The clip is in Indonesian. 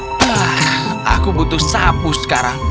wah aku butuh sapu sekarang